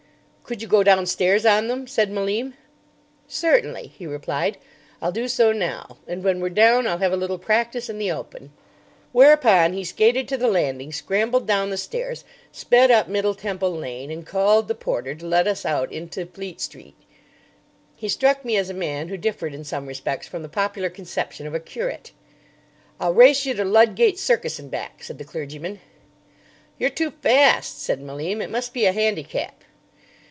"Could you go downstairs on them?" said Malim. "Certainly," he replied, "I'll do so now. And when we're down, I'll have a little practice in the open." Whereupon he skated to the landing, scrambled down the stairs, sped up Middle Temple Lane, and called the porter to let us out into Fleet Street. He struck me as a man who differed in some respects from the popular conception of a curate. "I'll race you to Ludgate Circus and back," said the clergyman. "You're too fast," said Malim; "it must be a handicap."